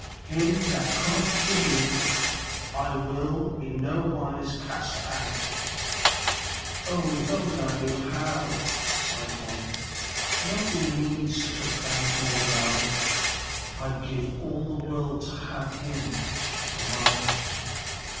'Him that cometh to me, I will in no wise cast out.'" "Oh, if I only knew how!" sighed Molly, "nobody needs such a friend more than I. I'd give all the world to have him for mine."